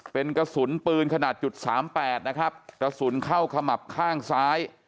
เป็นกระสุนปืนขนาดจุดสามแปดนะครับกระสุนเข้าขมับข้างซ้าย